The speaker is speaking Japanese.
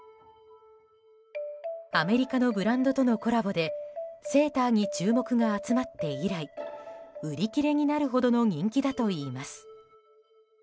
アメリカのブランドとのコラボでセーターに注目が集まって以来売り切れになるほどの人気だといいます。